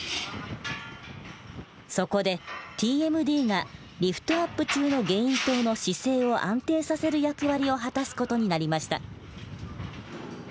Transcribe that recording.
そこでＴＭＤがリフトアップ中のゲイン塔の姿勢を安定させる役割を果たす事になりました。